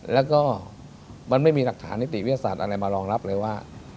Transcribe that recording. แล้วก็มันไม่มีหลักฐานนิติวิทยาศาสตร์อะไรมารองรับเลยว่า